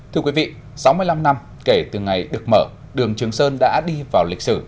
thưa quý vị sáu mươi năm năm kể từ ngày được mở đường trường sơn đã đi vào lịch sử